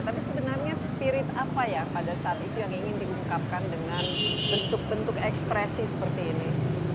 tapi sebenarnya spirit apa ya pada saat itu yang ingin diungkapkan dengan bentuk bentuk ekspresi seperti ini